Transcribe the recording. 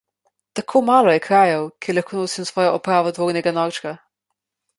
Tako malo je krajev, kjer lahko nosim svojo opravo dvornega norčka.